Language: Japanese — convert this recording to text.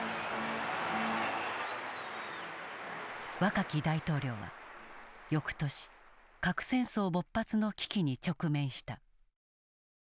若き大統領は翌年核戦争勃発の危機に直面した。